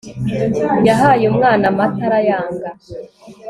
yahaye umwana amata arayanga